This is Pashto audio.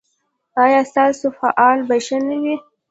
ایا ستاسو فال به ښه نه وي؟